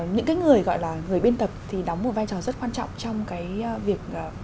những cái người gọi là người biên tập thì đóng một vai trò rất quan trọng trong cái việc